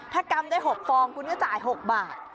ถ้ากำได้๖ฟองคุณก็จ่าย๖บาท